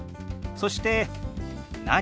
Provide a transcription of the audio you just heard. そして「何？」。